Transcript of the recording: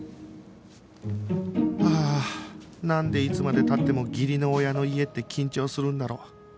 ああなんでいつまで経っても義理の親の家って緊張するんだろ？